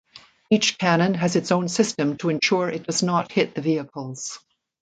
Each cannon has its own system to ensure it does not hit the vehicles.